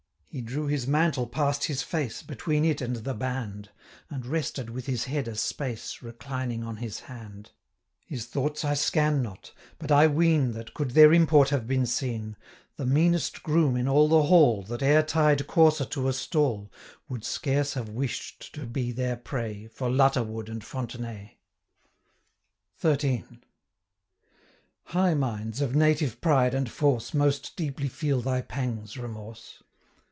He drew his mantle past his face, 190 Between it and the band, And rested with his head a space, Reclining on his hand. His thoughts I scan not; but I ween, That, could their import have been seen, 195 The meanest groom in all the hall, That e'er tied courser to a stall, Would scarce have wished to be their prey, For Lutterward and Fontenaye. XIII. High minds, of native pride and force, 200 Most deeply feel thy pangs, Remorse!